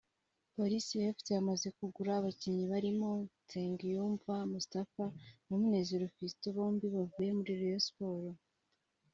Police Fc yamaze kugura abakinnyi barimo Nsengiyumva Moustapha na Munezero Fiston bombi bavuye muri Rayon Sports